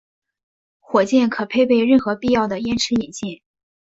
火箭可配备任何必要的延迟引信。